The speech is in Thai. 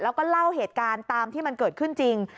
แล้วก็เล่าเหตุการณ์ตามที่มันเกิดขึ้นจริง